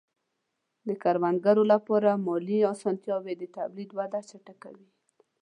د کروندګرو لپاره مالي آسانتیاوې د تولید وده چټکوي.